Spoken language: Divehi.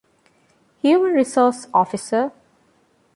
ހިއުމަންރިސޯސް އޮފިސަރ